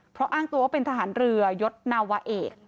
เพราะอ้างตัวว่าเป็นทหารเรือยศนาวะเอก